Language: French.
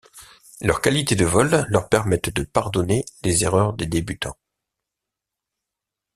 Leurs qualités de vol leur permettent de pardonner les erreurs des débutants.